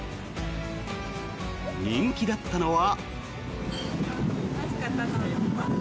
人気だったのは。